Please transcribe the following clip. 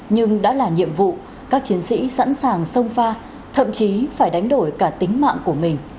nhưng đã là nhiệm vụ các chiến sĩ sẵn sàng sông pha thậm chí phải đánh đổi cả tính mạng của mình